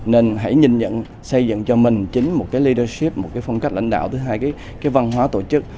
nên hãy nhìn nhận xây dựng cho mình chính một cái leaship một cái phong cách lãnh đạo thứ hai cái văn hóa tổ chức